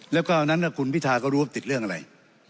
แล้วก็อันนั้นคุณพิธาก็รู้ว่าติดเรื่องอะไร